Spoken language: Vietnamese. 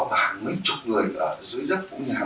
có hàng mấy chục người ở dưới dấp của nhà